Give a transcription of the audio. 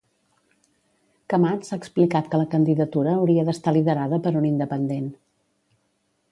Camats ha explicat que la candidatura hauria d'estar liderada per un independent